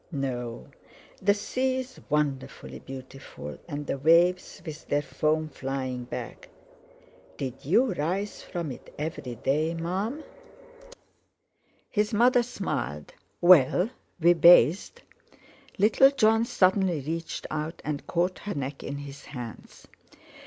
no. The sea is wonderfully beautiful, and the waves, with their foam flying back." "Did you rise from it every day, Mum?" His mother smiled. "Well, we bathed." Little Jon suddenly reached out and caught her neck in his hands.